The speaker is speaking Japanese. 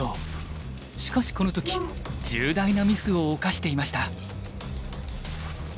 しかしこの時重大なミスを犯していました。